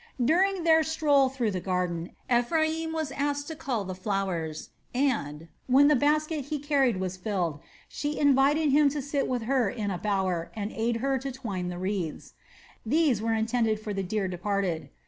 During their stroll through the garden Ephraim was asked to help her cull the flowers and, when the basket he carried was filled, she invited him to sit with her in a bower and aid her to twine the wreaths. These were intended for the dear departed.